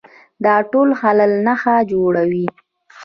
دا ټول خلل نښه جوړوي